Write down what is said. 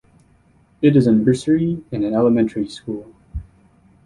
It is a nursery and an elementary school.